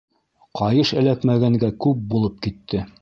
Ҡайыш эләкмәгәнгә күп булып китте!